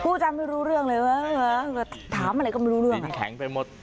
จำไม่รู้เรื่องเลยเว้ยก็ถามอะไรก็ไม่รู้เรื่องน้ำแข็งไปหมด